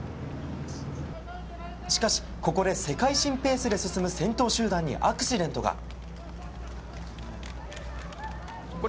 しかしここで世界新ペースで進む先頭集団にアクシデントが。